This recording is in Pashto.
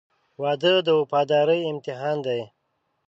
• واده د وفادارۍ امتحان دی.